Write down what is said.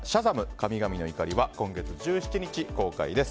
神々の怒り」は今月１７日公開です。